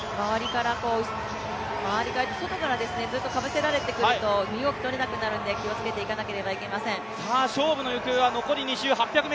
周りから、外からずっとかぶせられてくると身動きとれなくなるので気をつけていかなければいけません。